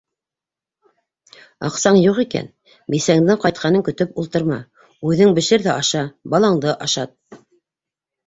Аҡсаң юҡ икән, бисәңдең ҡайтҡанын көтөп ултырма, үҙең бешер ҙә аша, балаңды ашат!